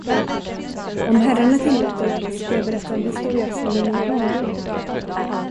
Om herrarna tillåter, ska jag berätta en historia från min ungdom.